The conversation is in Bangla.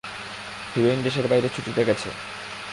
হিরোইন দেশের বাইরে ছুটি কাটাতে গেছে।